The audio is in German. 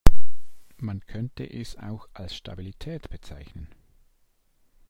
Man könnte es auch als Stabilität bezeichnen.